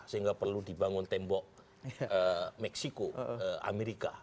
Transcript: sehingga perlu dibangun tembok meksiko amerika